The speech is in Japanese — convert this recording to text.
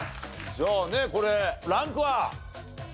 じゃあねこれランクは？